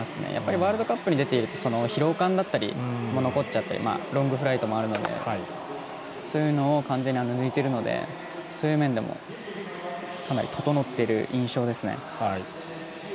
ワールドカップに出ていると疲労感だったりも残っちゃったりロングフライトもあるのでそういうのを完全に抜いていてそういう面でもかなり整っている印象ですね。